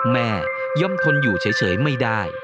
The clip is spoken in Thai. แม่ย่อมทนอยู่เฉยไม่ได้